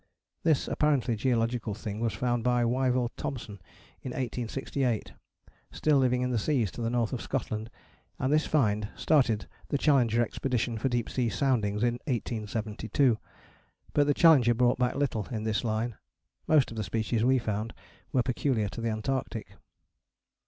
This apparently geological thing was found by Wyville Thomson in 1868 still living in the seas to the north of Scotland, and this find started the Challenger Expedition for deep sea soundings in 1872. But the Challenger brought back little in this line. Most of the species we found were peculiar to the Antarctic.